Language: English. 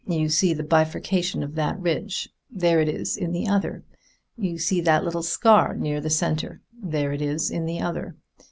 You see the bifurcation of that ridge. There it is in the other. You see that little scar near the center. There it is in the other.